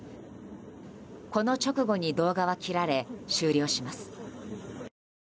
この直後に動画は切られ終了します。